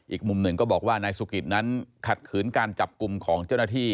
อีกมุมหนึ่งก็บอกว่านายสุกิตนั้นขัดขืนการจับกลุ่มของเจ้าหน้าที่